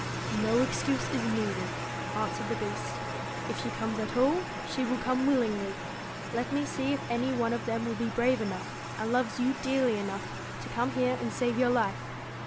' No excuse is needed,' answered the Beast ' If she comes at all, she will come willingly. Let me see if any one of them be brave enough, and loves you dearly enough, to come here and save your life.